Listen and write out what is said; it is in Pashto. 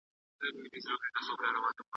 څنګه منظم تمرین کالوري سوځوي؟